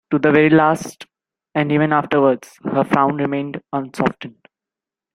To the very last, and even afterwards, her frown remained unsoftened.